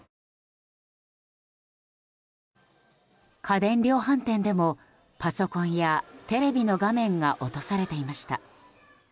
家電量販店でもパソコンやテレビの画面が落とされていました。